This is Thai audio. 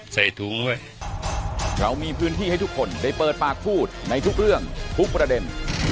ใส่ถุงไว้เรามีพื้นที่ให้ทุกคนได้เปิดปากพูดในทุกเรื่องทุกประเด็น